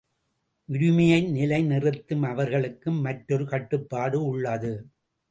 உரிமையை நிலைநிறுத்தும் அவர்களுக்கும் மற்றொரு கட்டுப்பாடு உள்ளது.